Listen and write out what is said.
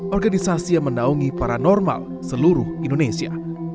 organisasi yang menaungi paranormal seluruh indonesia